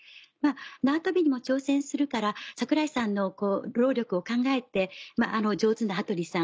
縄跳びにも挑戦するから櫻井さんの労力を考えて上手な羽鳥さん